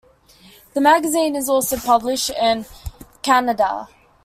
The magazine is also published in Kannada.